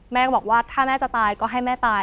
แม่ก็บอกว่าถ้าแม่จะตายก็ให้แม่ตาย